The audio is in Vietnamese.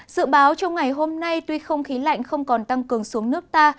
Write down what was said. dự báo trong ngày hôm nay tuy không khí lạnh không còn tăng cường xuống nước ta